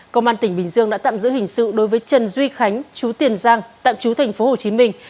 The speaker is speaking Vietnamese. công an tỉnh bình dương đã tạm giữ hình sự đối với trần duy khánh chú tiền giang tạm trú thành phố hồ chí minh